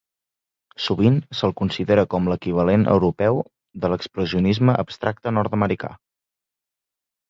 Sovint se'l considera com l'equivalent europeu de l'expressionisme abstracte nord-americà.